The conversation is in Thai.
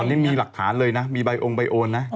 ตอนนี้มีหลักฐานเลยนะมีใบองค์ใบโอนนะ